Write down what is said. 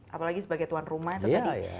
apalagi sebagai tuan rumah itu tadi